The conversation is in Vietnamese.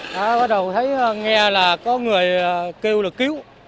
đã bắt đầu thấy nghe là có người kêu được cứu